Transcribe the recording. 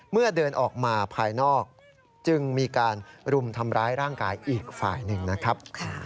เดินออกมาภายนอกจึงมีการรุมทำร้ายร่างกายอีกฝ่ายหนึ่งนะครับ